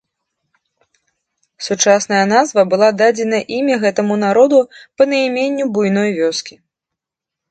Сучасная назва была дадзена імі гэтаму народу па найменню буйной вёскі.